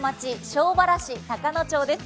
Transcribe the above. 庄原市高野町です。